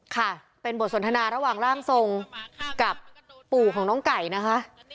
ค่ะเป็นบทสนทนาระหว่างร่างทรงกับปู่ของน้องไก่นะคะ